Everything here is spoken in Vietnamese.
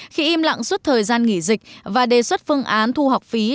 khi im lặng suốt thời gian nghỉ dịch và đề xuất phương án thu học phí